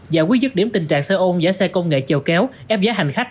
giải quyết dứt điểm tình trạng xe ôn giá xe công nghệ chèo cáo ép giá hành khách